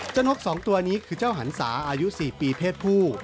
นก๒ตัวนี้คือเจ้าหันศาอายุ๔ปีเพศผู้